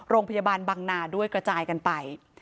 โรงพยาบาลบังนาด้วยกระจายกันไป